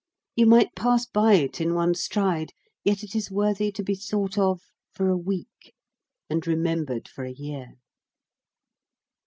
You might pass by it in one stride, yet it is worthy to be thought of for a week and remembered for a year.